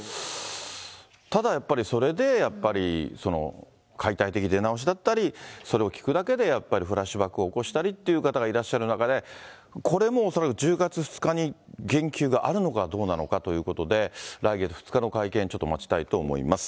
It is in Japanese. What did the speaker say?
ただやっぱりそれでやっぱり、解体的出直しだったり、それを聞くだけでやっぱりフラッシュバックを起こしたりっていう方がいらっしゃる中で、これも恐らく１０月２日に言及があるのかどうなのかということで、来月２日の会見、ちょっと待ちたいと思います。